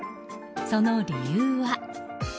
その理由は。